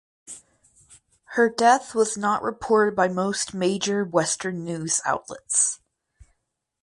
Her death was not reported by most major Western news outlets.